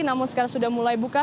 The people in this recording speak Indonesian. namun sekarang sudah mulai buka